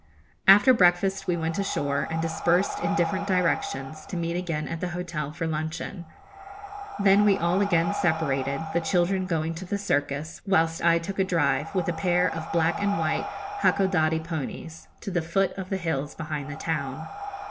After breakfast we went ashore, and dispersed in different directions, to meet again at the hotel for luncheon. Then we all again separated, the children going to the circus, whilst I took a drive, with a pair of black and white Hakodadi ponies, to the foot of the hills behind the town.